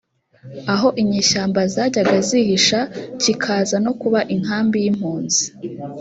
aho inyeshyamba zajyaga zihisha kikaza no kuba inkambi y impunzi